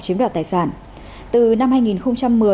chiếm đoạt tài sản từ năm